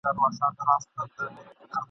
موږ څو ځلي د لستوڼي مار چیچلي !.